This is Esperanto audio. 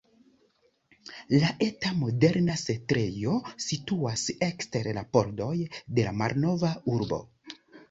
La eta, moderna setlejo situas ekster la pordoj de la malnova urbo.